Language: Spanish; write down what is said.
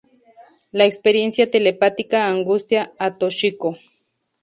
La experiencia telepática angustia a Toshiko.